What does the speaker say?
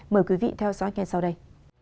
mời quý vị theo dõi nghe sau đây